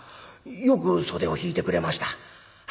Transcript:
よく袖を引いてくれました。